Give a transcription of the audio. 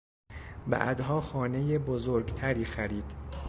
بعدها خانهی بزرگتری خرید.